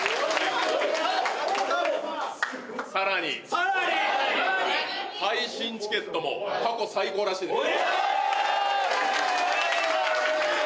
更に配信チケットも過去最高らしいです。